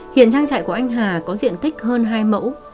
hiện trang trại của anh hà có diện tích hơn hai mẫu